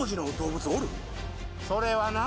それはな